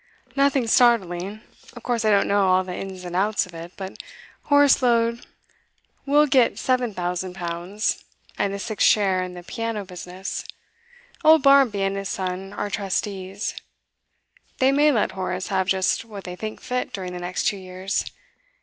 'Nothing startling. Of course I don't know all the ins and outs of it, but Horace Lord will get seven thousand pounds, and a sixth share in the piano business. Old Barmby and his son are trustees. They may let Horace have just what they think fit during the next two years.